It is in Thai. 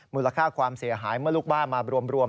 มูลค่าความเสียหายเมื่อลูกบ้านมารวม